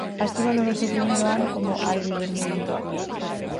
Así valora o seu primeiro ano como albivermello.